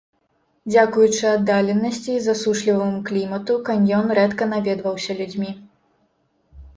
Дзякуючы аддаленасці і засушліваму клімату каньён рэдка наведваўся людзьмі.